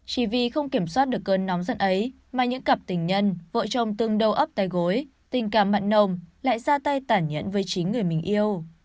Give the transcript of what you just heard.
chỉ vì không kiểm soát được cơn nóng giận ấy mà những cặp tình nhân vợ chồng từng đầu ấp tay gối tình cảm mặn nồng lại ra tay tản nhẫn với chính người mình yêu